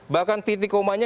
bahkan titik komanya